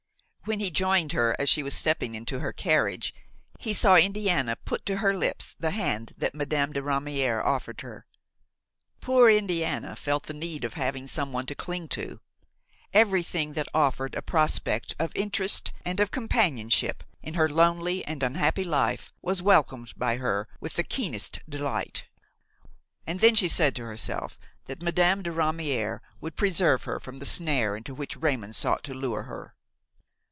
When he joined her as she was stepping into her carriage he saw Indiana put to her lips the hand that Madame de Ramière offered her. Poor Indiana felt the need of having some one to cling to. Everything that offered a prospect of interest and of companionship in her lonely and unhappy life was welcomed by her with the keenest delight; and then she said to herself that Madame de Ramière would preserve her from the snare into which Raymon sought to lure her.